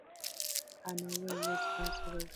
انا وویل چې زه باید صبر وکړم.